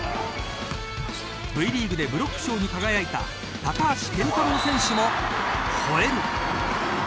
Ｖリーグでブロック賞に輝いた高橋健太郎選手も吠える。